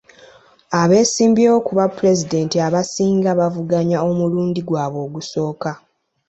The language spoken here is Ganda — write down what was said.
Abeesimbyewo ku bwa pulezidenti abasinga bavuganya omulundi gwabwe ogusooka.